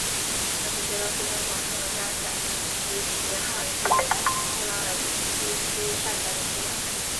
和平街道是中国黑龙江省齐齐哈尔市富拉尔基区下辖的一个街道。